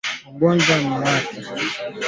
Ugonjwa huu huambukizwa kupitia mate